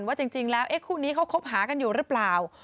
ว่าจริงแล้วคู่นี้เขาคบหากันอยู่หรือเปล่า